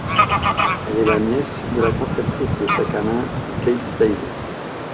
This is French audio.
Elle est la nièce de la conceptrice de sac à main Kate Spade.